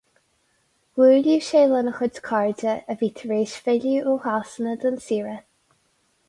Bhuaileadh sé lena chuid cairde a bhí tar éis filleadh ó Shasana don saoire.